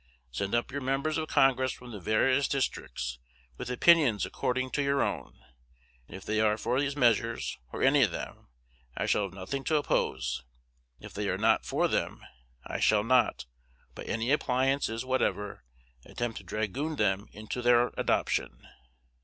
Send up your members of Congress from the various districts, with opinions according to your own, and if they are for these measures, or any of them, I shall have nothing to oppose: if they are not for them, I shall not, by any appliances whatever, attempt to dragoon them into their adoption."